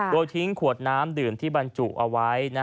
โดยทิ้งขวดน้ำดื่มที่บรรจุเอาไว้